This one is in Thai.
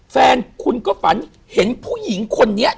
แฟนคุณก็ฝันเห็นผู้หญิงคนนี้